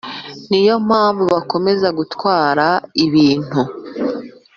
Ni yo mpamvu bakomeza gutwara ibintu